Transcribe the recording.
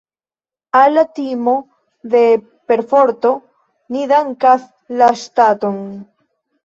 Al la timo de perforto ni dankas la ŝtaton.